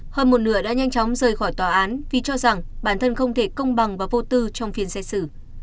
hơn một nửa đã nhanh chóng rời khỏi tòa án vì cho rằng bản thân không thể công bằng và vô tư trong phiên xét xử